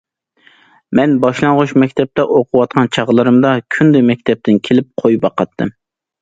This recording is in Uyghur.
مەن باشلانغۇچ مەكتەپتە ئوقۇۋاتقان چاغلىرىمدا كۈندە مەكتەپتىن كېلىپ قوي باقاتتىم.